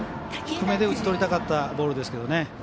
低めで打ち取りたかったボールですけどね。